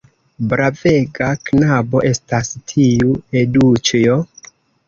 Bravega knabo estas tiu Eduĉjo!